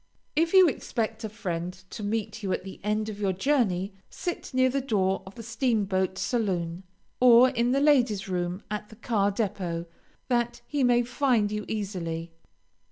If you expect a friend to meet you at the end of your journey, sit near the door of the steam boat saloon, or in the ladies' room at the car depot, that he may find you easily.